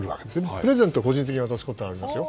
プレゼントを個人的に渡すことはありますよ。